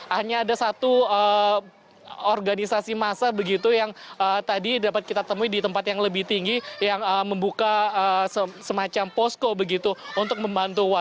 hanya ada satu organisasi massa begitu yang tadi dapat kita temui di tempat yang lebih tinggi yang membuka semacam posko begitu untuk membantu